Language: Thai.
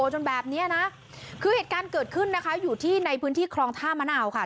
จนแบบนี้นะคือเหตุการณ์เกิดขึ้นนะคะอยู่ที่ในพื้นที่คลองท่ามะนาวค่ะ